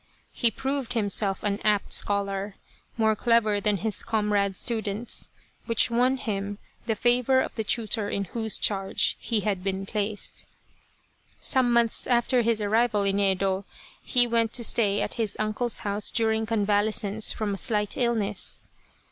He proved himself an apt scholar, more clever than his comrade students, which won him the favour of the tutor in whose charge he had been placed. Some months after his arrival in Yedo, he went to stay at his uncle's house during convalescence from a slight illness.